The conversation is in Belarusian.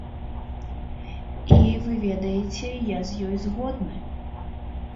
І, вы ведаеце, я з ёй згодны.